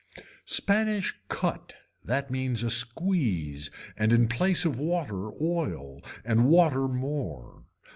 Spanish cut that means a squeeze and in place of water oil and water more.